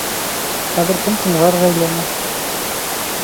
Хәҙер кем тыңлар Рәйләне?